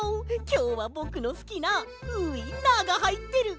きょうはぼくのすきなウインナーがはいってる！